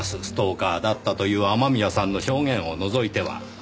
ストーカーだったという雨宮さんの証言を除いては。